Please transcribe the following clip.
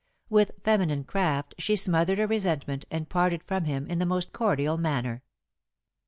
With feminine craft she smothered her resentment, and parted from him in the most cordial manner.